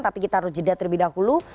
tapi kita harus jeda terlebih dahulu